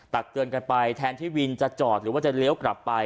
ตักเตือนกันไปแทนที่วินจะจอดหรือว่าจะเลี้ยวกลับไป